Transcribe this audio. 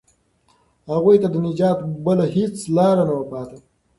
هغوی ته د نجات بله هیڅ لاره نه وه پاتې.